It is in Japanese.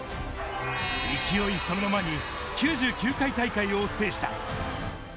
勢いそのままに９９回大会を制した。